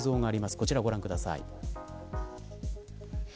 こちらご覧ください。